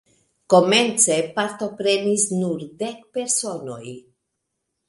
Komence partoprenis nur dek personoj.